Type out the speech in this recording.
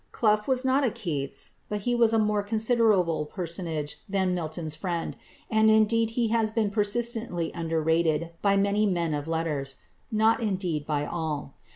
Clough was not a Keats, but he was a more considerable personage than Milton's friend, and indeed he has been persistently underrated by many men of letters. Not indeed by all.